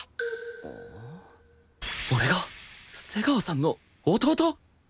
俺が瀬川さんの弟！？